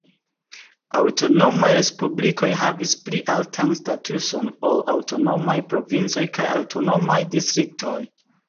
Aŭtonomaj respublikoj havis pli altan statuson ol aŭtonomaj provincoj kaj aŭtonomaj distriktoj.